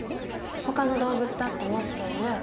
ほかの動物だって持っている。